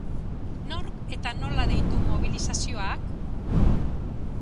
Nork eta nola deitu ditu mobilizazioak?